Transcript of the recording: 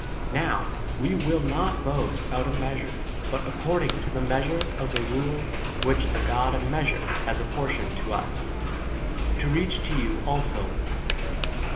* 1 Now we will not boast out of measure, e but according to the measure of the rule which the God of mea sure f has apportioned to us, to 14 reach to you also.